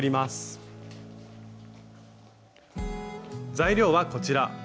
材料はこちら。